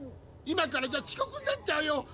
今からじゃ遅刻になっちゃうよ。